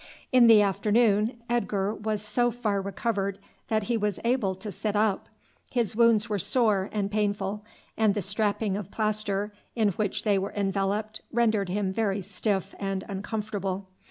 In the afternoon Edgar was so far recovered that he was able to sit up. His wounds were sore and painful, and the strapping of plaster in which they were enveloped rendered him very stiff and uncomfortable.